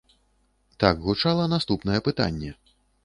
Так гучала наступнае пытанне.